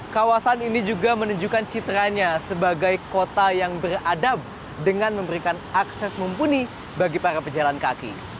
kawasan ini juga menunjukkan citranya sebagai kota yang beradab dengan memberikan akses mumpuni bagi para pejalan kaki